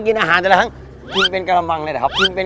กินอาหารแต่ละครั้งกินเป็นกะบังเลยแหละครับกินเป็น